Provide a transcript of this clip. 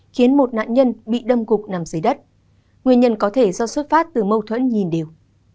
khiến một nạn nhân bị đâm gục nằm dưới đất nguyên nhân có thể do xuất phát từ mâu thuẫn nhìn điều